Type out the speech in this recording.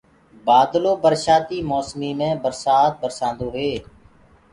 بآدلو برشآتيٚ موسميٚ مي برسآت برسآنٚدو هي